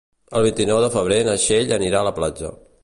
El vint-i-nou de febrer na Txell anirà a la platja.